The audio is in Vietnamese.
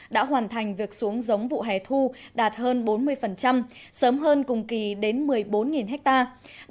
đã hoàn thành việc xuống giống vụ hè thu đạt hơn bốn mươi sớm hơn cùng kỳ đến một mươi bốn hectare